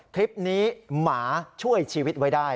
คลิปนี้หมาช่วยชีวิตไว้ได้